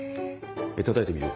たたいてみる？